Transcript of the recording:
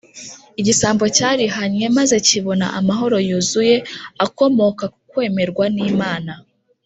igisambo cyarihannye maze kibona amahoro yuzuye akomoka ku kwemerwa n’imana